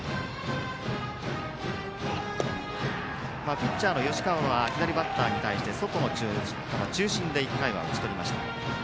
ピッチャーの吉川は左バッターに対して外の球中心で１回は打ち取りました。